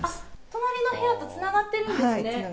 隣の部屋とつながってるんですね？